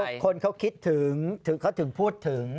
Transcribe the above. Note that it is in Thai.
ทุกคนเขาคิดถึงทุกคนเขาถึงพูดถึง